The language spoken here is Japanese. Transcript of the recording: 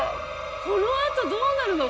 このあとどうなるの？